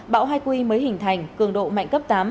bão haikui mới hình thành cường độ mạnh cấp tám